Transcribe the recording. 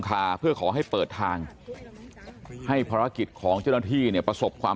คาเพื่อขอให้เปิดทางให้ภารกิจของเจ้าหน้าที่เนี่ยประสบความ